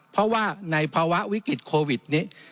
เพราะว่าในภาวะวิกฤตโควิดนี้